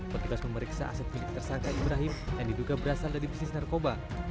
petugas memeriksa aset milik tersangka ibrahim yang diduga berasal dari bisnis narkoba